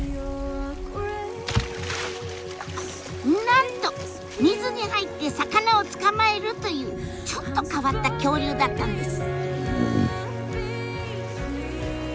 なんと水に入って魚を捕まえるというちょっと変わった恐竜だったんです。